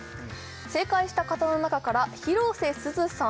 正解した方の中から広瀬すずさん